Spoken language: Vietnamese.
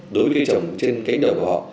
đối với cây trồng trên cánh đầu của họ